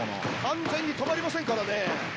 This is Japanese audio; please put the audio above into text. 完全に止まりませんからね。